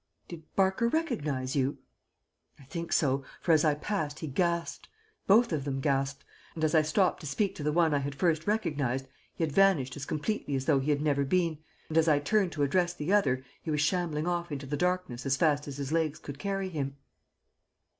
"Did Barker recognize you?" "I think so, for as I passed he gasped both of them gasped, and as I stopped to speak to the one I had first recognized he had vanished as completely as though he had never been, and as I turned to address the other he was shambling off into the darkness as fast as his legs could carry him."